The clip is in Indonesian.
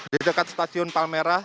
di dekat stasiun palmerah